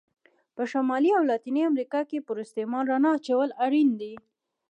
په شمالي او لاتینې امریکا کې پر استعمار رڼا اچول اړین دي.